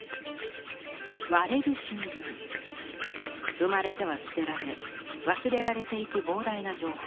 生まれては捨てられ忘れられていく膨大な情報。